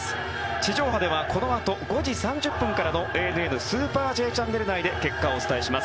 地上波ではこのあと５時３０分からの「ＡＮＮスーパーＪチャンネル」内で結果をお伝えします。